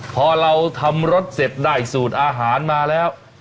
พอเราทำรสเสร็จได้สูตรอาหารมาแล้ว